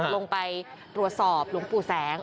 ลงไปตรวจสอบหลวงปู่แสง